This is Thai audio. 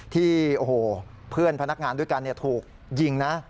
ที่โอ้โหเพื่อนพนักงานด้วยกันถูกยิงนะ